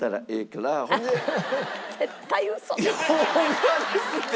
いやホンマですって！